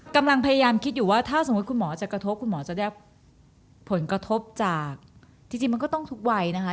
กำลังพยายามคิดอยู่ว่าถ้าสมมุติคุณหมอจะกระทบคุณหมอจะได้ผลกระทบจากจริงมันก็ต้องทุกวัยนะคะ